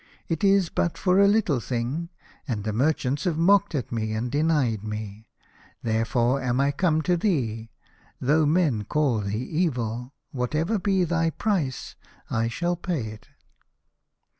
It is but for a little thing, and the merchants have mocked at me, and denied me. There fore am I come to thee, though men call thee evil, and whatever be thy price I shall pay it."